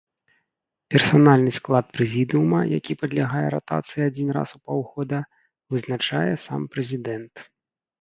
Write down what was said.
Персанальны склад прэзідыума, які падлягае ратацыі адзін раз у паўгода, вызначае сам прэзідэнт.